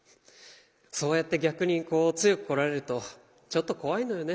そうやって逆に強くこられるとちょっと怖いのよね。